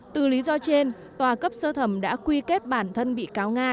từ lý do trên tòa cấp sơ thẩm đã quy kết bản thân bị cáo nga